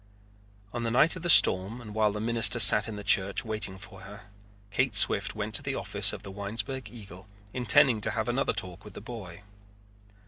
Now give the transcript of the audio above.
On the night of the storm and while the minister sat in the church waiting for her, Kate Swift went to the office of the Winesburg Eagle, intending to have another talk with the boy.